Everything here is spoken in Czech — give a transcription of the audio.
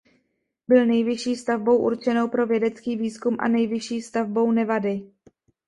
Byl nejvyšší stavbou určenou pro vědecký výzkum a nejvyšší stavbou Nevady.